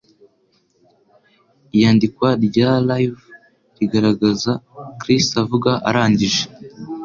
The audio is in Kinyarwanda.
Iyandikwa rya Live rigaragaza Chris avuga arangije.